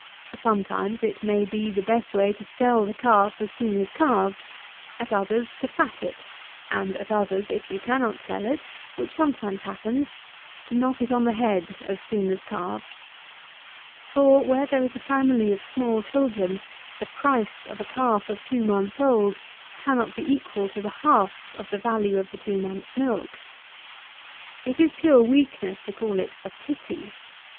Sometimes it may be the best way to sell the calf as soon as calved; at others, to fat it; and, at others, if you cannot sell it, which sometimes happens, to knock it on the head as soon as calved; for, where there is a family of small children, the price of a calf of two months old cannot be equal to the half of the value of the two months' milk. It is pure weakness to call it "a pity."